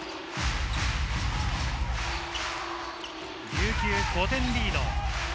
琉球が５点リード。